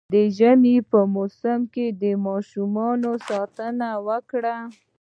د ژمي په موسم کي د ماشومانو ساتنه وکړئ